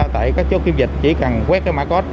tại các chốt kiểm dịch chỉ cần quét cái mã code